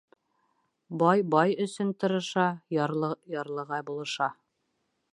Бай бай өсөн тырыша, ярлы ярлыға булыша.